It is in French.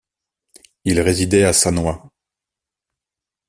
Il résidait à Sannois.